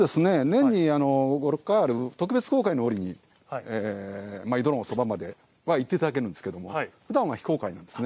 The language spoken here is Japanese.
年に５６回ある特別公開の折に井戸のそばまでは行ってたんですけどふだんは非公開です。